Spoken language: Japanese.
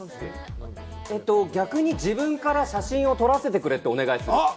逆に自分から写真を撮らせてくれってお願いする。